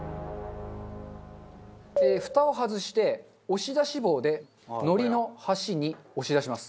フタを外して押し出し棒で海苔の端に押し出します。